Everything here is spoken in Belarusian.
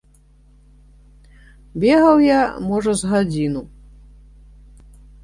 Бегаў я, можа, з гадзіну.